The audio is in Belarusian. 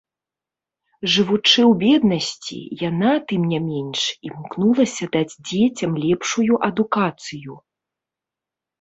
Жывучы ў беднасці, яна, тым не менш, імкнулася даць дзецям лепшую адукацыю.